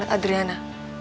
mereka pasti udah janji